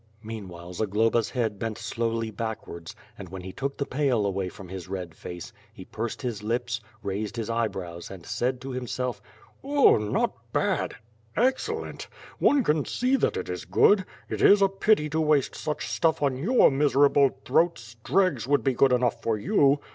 Meanwhile Zagloba's head bent slowly backwards, and WITH FIRE AND SWORD. 235 when he took the pail away from his red face, he pursed his lips, raised his eyebrows and said, as if to himself: "Oh! not bad, excellent! One can see that it is good! It is a pity to waste such stuff on your miserable throats, dregs would be good enough for you.